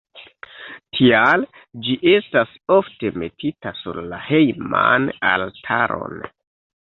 Tial ĝi estas ofte metita sur la hejman altaron.